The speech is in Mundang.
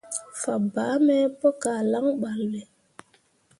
Fabaa me pu kah lan ɓale.